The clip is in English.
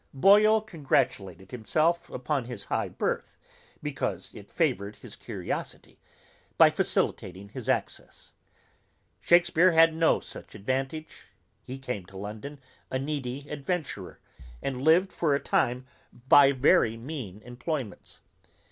Boyle congratulated himself upon his high birth, because it favoured his curiosity, by facilitating his access. Shakespeare had no such advantage; he came to London a needy adventurer, and lived for a time by very mean employments.